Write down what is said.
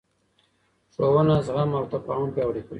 ښوونه زغم او تفاهم پیاوړی کوي